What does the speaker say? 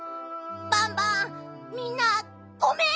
バンバンみんなごめん！